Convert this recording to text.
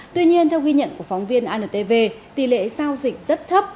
tuy nhiên theo ghi nhận của phóng viên antv tỷ lệ giao dịch rất thấp